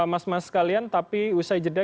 mas mas kalian tapi usai jeda